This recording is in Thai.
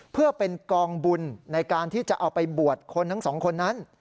เพื่อเป็นกองบุญในการที่จะเอาไปบวชคนทั้งสองคนนั้น